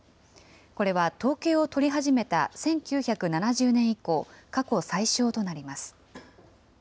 これは統計を取り始めた１９７０年以降、過去最少となります。